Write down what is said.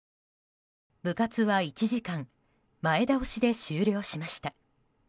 部活は１時間前倒しで終了しました。